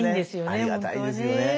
ありがたいですよね。